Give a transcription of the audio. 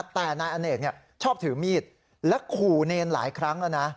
แต่นายอเนกชอบถือมีดและขู่เนรหลายครั้งแล้วนะ